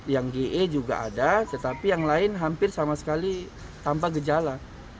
yang ge juga ada tetapi yang lain hampir sama sekali tanpa gejala